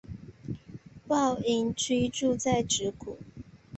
抱嶷居住在直谷。